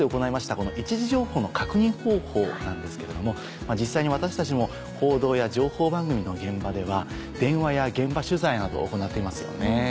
この一次情報の確認方法なんですけれども実際に私たちも報道や情報番組の現場では電話や現場取材などを行っていますよね。